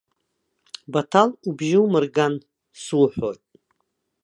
Баҭал, убжьы умырган, суҳәоит!